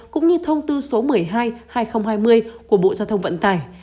cũng như thông tư số một mươi hai hai nghìn hai mươi của bộ giao thông vận tải